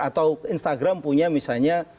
atau instagram punya misalnya